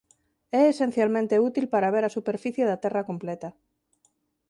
É esencialmente útil para ver a superficie da Terra completa.